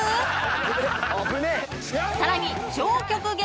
［さらに］